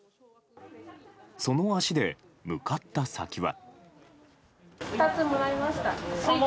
その足で向かった先は。